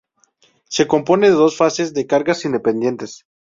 Se compone de dos fases de cargas independientes.